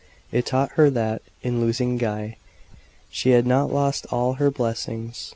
It taught her that, in losing Guy, she had not lost all her blessings.